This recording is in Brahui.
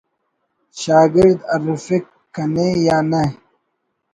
شاگرد ہرفک کنے یا نہ